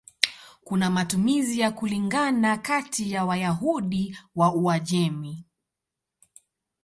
Kuna matumizi ya kulingana kati ya Wayahudi wa Uajemi.